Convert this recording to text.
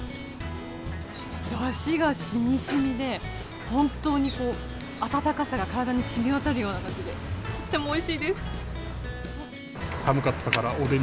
だしが染み染みで本当に温かさが体に染みわたるような感じでとってもおいしいです。